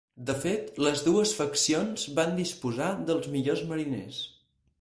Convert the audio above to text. De fet, les dues faccions van disposar dels millors mariners.